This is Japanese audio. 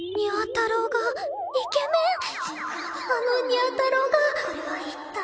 あのにゃ太郎がこれは一体